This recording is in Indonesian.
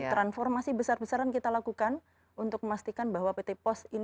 transformasi besar besaran kita lakukan untuk memastikan bahwa pt pos ini benar benar berhasil